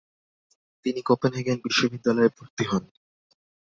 তিনি কোপেনহেগেন বিশ্ববিদ্যালয় এ ভর্তি হন।